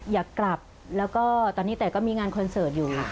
อยากกลับแล้วก็ตอนนี้แต่ก็มีงานคอนเสิร์ตอยู่